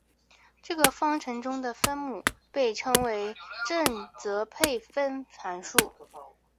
这个方程中的分母称为正则配分函数。